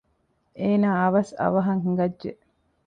އޭނާ އަވަސް އަވަހަށް ހިނގައްޖެ